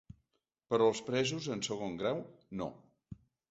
Però els presos en segon grau, no.